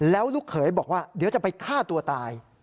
แล้วลูกเขยบอกว่าเดี๋ยวจะไปฆ่าตัวตาย